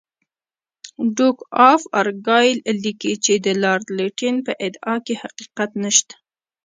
ډوک آف ارګایل لیکي چې د لارډ لیټن په ادعا کې حقیقت نشته.